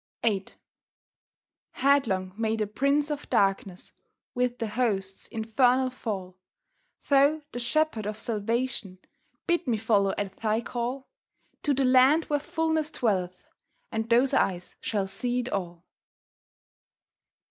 VIII Headlong may the Prince of Darkness With the hosts infernal fall! Thou, the Shepherd of Salvation, Bid me follow at Thy call, To the land where fulness dwelleth, And those eyes shall see it all.